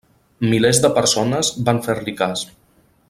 Milers de persones van fer-li cas.